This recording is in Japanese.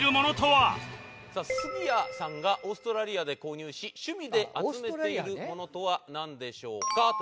さあ杉谷さんがオーストラリアで購入し趣味で集めているものとはなんでしょうか？という事で。